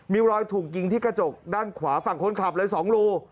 มีรอยถูกยิงที่กระจกด้านขวาฝั่งคนขับเลย๒รู